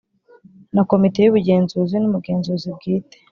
Na Komite Y Ubugenzuzi N Umugenzuzi Bwite